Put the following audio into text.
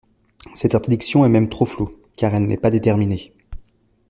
Cette interdiction est même trop floue, car elle n’est pas déterminée.